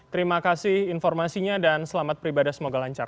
terima kasih informasinya dan selamat beribadah semoga lancar